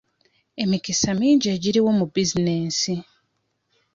Emikisa mingi egiriwo mu bizinensi.